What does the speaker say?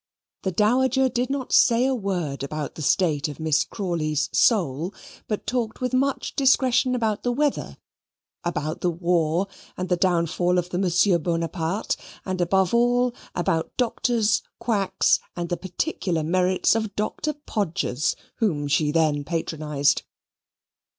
The dowager did not say a word about the state of Miss Crawley's soul; but talked with much discretion about the weather: about the war and the downfall of the monster Bonaparte: and above all, about doctors, quacks, and the particular merits of Dr. Podgers, whom she then patronised.